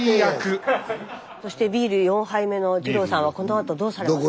そしてビール４杯目の二朗さんはこのあとどうされますか？